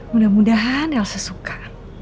mudah mudahan elsa suka